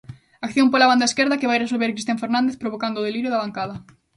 Acción pola banda esquerda que vai resolver Cristian Fernández provocando o delirio da bancada.